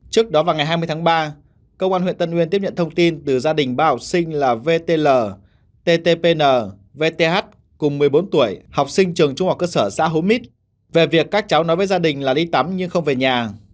trước đó vào ngày hai mươi tháng ba công an huyện tân uyên tiếp nhận thông tin từ gia đình ba học sinh là vtl ttn vth cùng một mươi bốn tuổi học sinh trường trung học cơ sở xã hố mít về việc các cháu nói với gia đình là đi tắm nhưng không về nhà